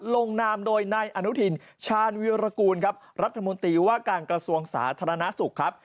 ลงนามโดยนายอนุทินชาญวิรากูลครับรัฐมนตรีว่าการกระทรวงสาธารณสุขครับ